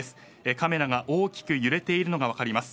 カメラが大きく揺れているのが分かります。